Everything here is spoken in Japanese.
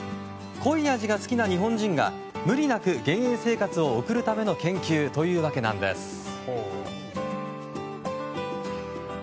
濃い味が好きな日本人が無理なく減塩生活を送るための研究というわけなんです。